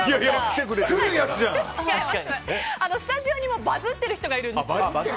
スタジオにもバズってる人がいるんです。